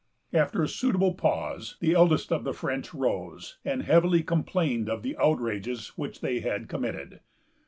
After a suitable pause, the eldest of the French rose, and heavily complained of the outrages which they had committed.